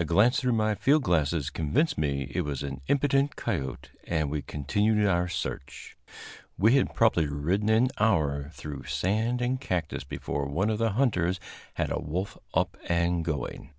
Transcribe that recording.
A glance through my field glasses convinced me that it was an impudent coyote, and we continued our search. We had probably ridden an hour through sand and cactus before one of the hunters had a wolf up and going.